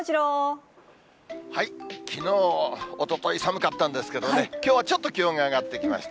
きのう、おととい、寒かったんですけどもね、きょうはちょっと気温が上がってきました。